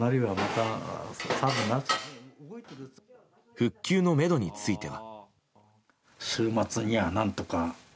復旧のめどについては。